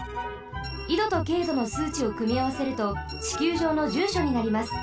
緯度と経度のすうちをくみあわせるとちきゅうじょうのじゅうしょになります。